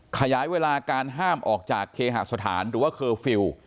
ขยายเวลาการห้ามออกจากเคหสถานหรือว่าเคอร์ฟิลล์